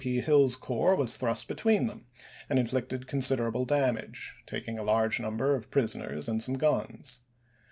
P. Hill's corps was thrust be tween them, and inflicted considerable damage, taking a large number of prisoners and some guns.